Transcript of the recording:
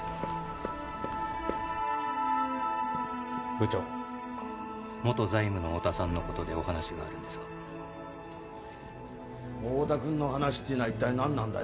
部長元財務の太田さんのことでお話があるんですが太田君の話っていうのは一体何なんだよ